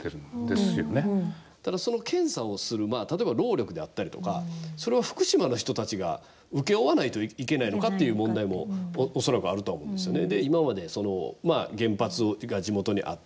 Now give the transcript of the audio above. ただ、その検査をする例えば、労力であったりとかそれは福島の人たちが請け負わないといけないのかっていう問題も恐らくはあるとは思うんですよね。